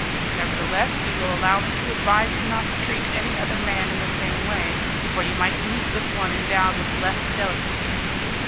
Nevertheless, you will allow me to advise you not to treat any other man in the same way, for you might meet with one endowed with less delicacy.